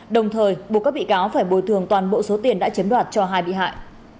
đồng thời buộc các bị cáo phải bồi thường toàn bộ số tiền đã chiếm đoạt cho hai bị hại